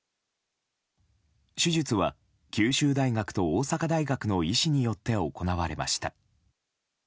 手術は九州大学と大阪大学の医師によって行われました。